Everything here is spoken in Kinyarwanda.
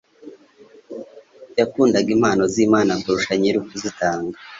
Yakundaga impano z'Imana kurusha Nyiri ukuzitanga.